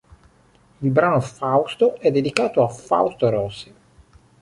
Il brano "Fausto" è dedicato a Fausto Rossi.